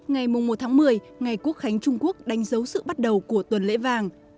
ngày một tháng một mươi ngày quốc khánh trung quốc đánh dấu sự bắt đầu của tuần lễ vàng